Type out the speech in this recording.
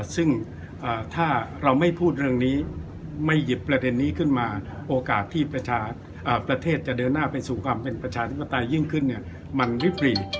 ซึ่งถ้าเราไม่พูดเรื่องนี้ไม่หยิบประเด็นนี้ขึ้นมาโอกาสที่ประชาชนประเทศจะเดินหน้าไปสู่ความเป็นประชาธิปไตยิ่งขึ้นมันริปรี